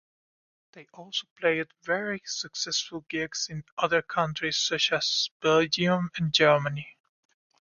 They also played very successful gigs in other countries such as Belgium and Germany.